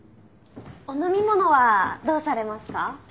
お飲み物はどうされますか？